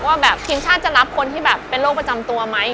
ว่าแบบทีมชาติจะรับคนที่แบบเป็นโรคประจำตัวไหม